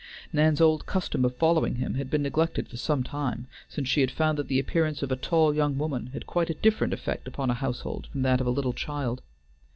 Nan's old custom of following him had been neglected for some time, since she had found that the appearance of a tall young woman had quite a different effect upon a household from that of a little child.